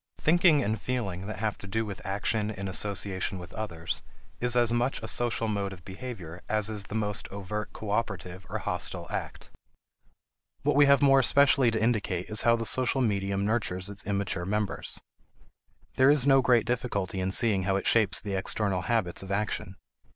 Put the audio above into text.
Thinking and feeling that have to do with action in association with others is as much a social mode of behavior as is the most overt cooperative or hostile act. What we have more especially to indicate is how the social medium nurtures its immature members. There is no great difficulty in seeing how it shapes the external habits of action.